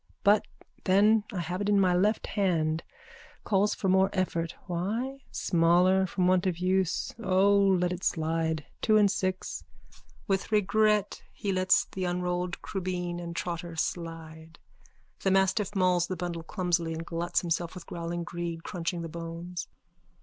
But then I have it in my left hand. Calls for more effort. Why? Smaller from want of use. O, let it slide. Two and six. _(With regret he lets the unrolled crubeen and trotter slide. The mastiff mauls the bundle clumsily and gluts himself with growling greed, crunching the bones.